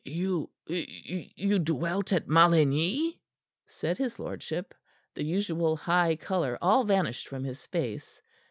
"You you dwelt at Maligny?" said his lordship, the usual high color all vanished from his face.